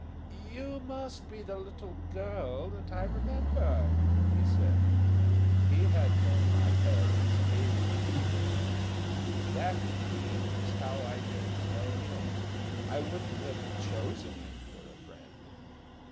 "You must be the little girl that I remember," he said. He had known my parents ages ago. That, indeed, was how I came to know him; I wouldn't have chosen him for a friend.